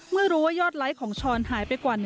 เมื่อรู้ว่ายอดไลค์ของช้อนหายไปกว่า